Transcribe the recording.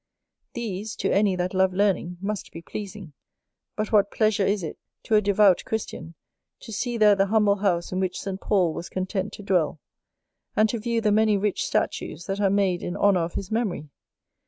These, to any that love learning, must be pleasing. But what pleasure is it to a devout Christian, to see there the humble house in which St. Paul was content to dwell, and to view the many rich statues that are made in honour of his memory!